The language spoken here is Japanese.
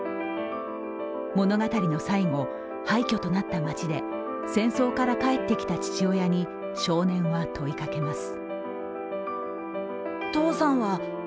物語の最後、廃虚となった街で戦争から帰ってきた父親に少年は問いかけます。